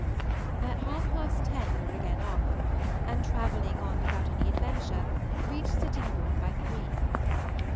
At half past ten we were again off, and, travelling on without any adventure reached Sittingbourne by three.